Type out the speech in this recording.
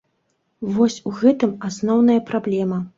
Вось у гэтым асноўная праблема.